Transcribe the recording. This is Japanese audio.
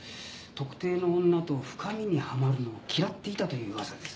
特定の女と深みにはまるのを嫌っていたという噂です。